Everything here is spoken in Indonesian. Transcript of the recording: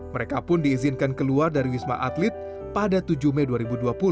mereka pun diizinkan keluar dari wisma atlet pada tujuh mei dua ribu dua puluh